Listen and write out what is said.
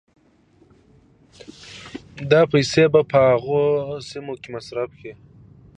دا پيسې به په هغو سيمو کې مصرفېدې